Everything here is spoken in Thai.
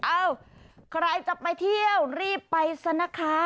เอ้าใครจะไปเที่ยวรีบไปซะนะคะ